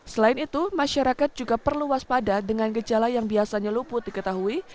selain itu masyarakat juga perlu waspada dengan gejala yang biasanya luput diketahui